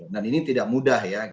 dan ini tidak mudah ya